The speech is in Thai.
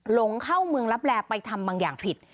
หลงเข้าเมืองลับแลไปทำบางอย่างผิด